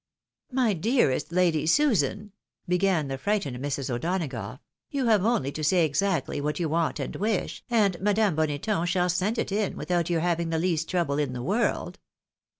"My dearest Lady Susan!" began the fiightened Mrs. O'Donagough, " you have only to say exactly what you want and wish, and Madame Bondton shall send it in without your having the least trouble in the world.